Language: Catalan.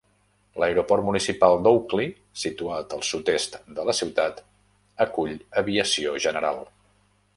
L'aeroport municipal de Oakley, situat al sud-est de la ciutat, acull aviació general.